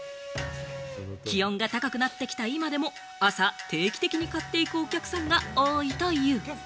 気温が高くなってきた今でも、朝、定期的に買っていくお客さんが多いという。